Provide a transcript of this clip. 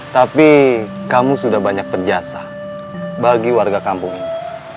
tapi kamu sudah banyak berjasa bagi warga kampung ini